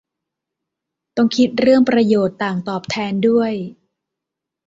ต้องคิดเรื่องประโยชน์ต่างตอบแทนด้วย